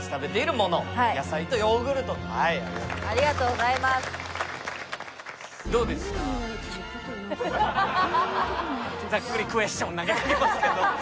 ざっくりクエスチョン投げかけますけど。